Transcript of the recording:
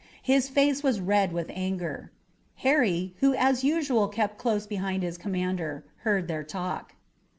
His face was red with anger. Harry, who as usual kept close behind his commander, heard their talk.